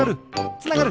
つながる！